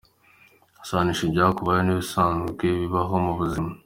Sanisha ibyakubayeho n’ibisanzwe bibaho mu buzima.